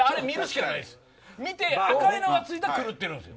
見て赤いのがついたら狂ってるんです。